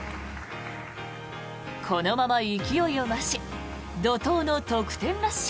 このまま勢いを増し怒とうの得点ラッシュ。